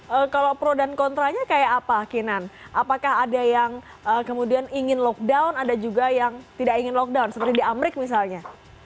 oke kalau pro dan kontranya kayak apa kinan apakah ada yang kemudian ingin lockdown ada juga yang tidak ingin lockdown seperti di amrik misalnya